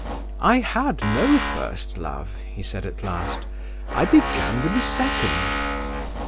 "I had no first love," he said at last; "I began with the second."